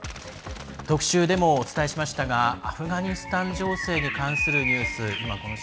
特集でもお伝えしましたがアフガニスタン情勢に関するニュース。